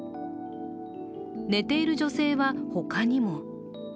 寝ている女性は他にも。